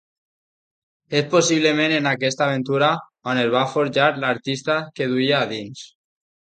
És possiblement en aquesta aventura on es va forjar l'artista que duia a dins.